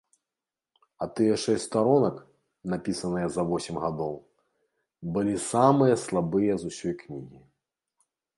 А тыя шэсць старонак, напісаныя за восем гадоў, былі самыя слабыя з усёй кнігі.